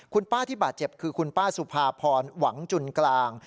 คุณป้าที่บาดเจ็บคือคุณป้าสุภาพรหวังจุนกลาง